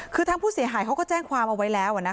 คือทางผู้เสียหายเขาก็แจ้งความเอาไว้แล้ว